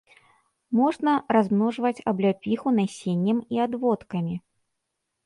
Можна размножваць абляпіху насеннем і адводкамі.